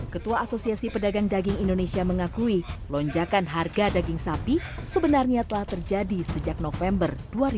ketua asosiasi pedagang daging indonesia mengakui lonjakan harga daging sapi sebenarnya telah terjadi sejak november dua ribu dua puluh